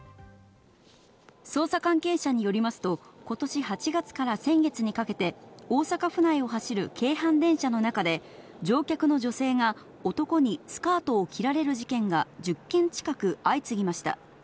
捜査関係者によりますと、今年８月から先月にかけて、大阪府内を走る京阪電車の中で、乗客の女性が男にスカートを切られる事件が１０件近く相次ぎました。